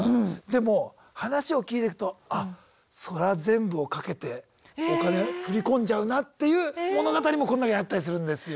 でも話を聞いてくとあっそら全部を懸けてお金振り込んじゃうなっていう物語もこの中にあったりするんですよ。